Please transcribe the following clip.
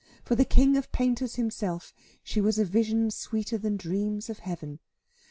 For the king of painters himself she was a vision sweeter than dreams of heaven.